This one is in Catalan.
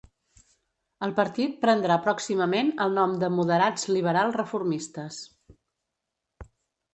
El partit prendrà pròximament el nom de Moderats Liberal Reformistes.